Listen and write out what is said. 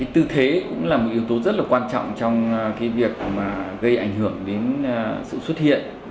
tư thế cũng là một yếu tố rất là quan trọng trong việc gây ảnh hưởng đến sự xuất hiện